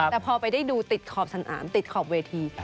แต่พอไปได้ดูติดขอบสนามติดขอบเวที